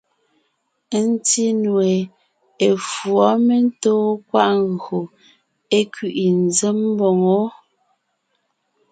Ńtí nue, efǔɔ mentóon kwaʼ ńgÿo é kẅiʼi ńzém mboŋó.